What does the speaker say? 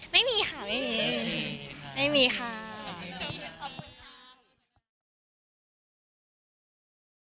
ไม่มีสายแฟนแร็ซใช่ไหมครับ